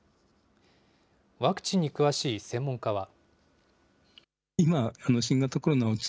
ワクチンに詳しい専門家は。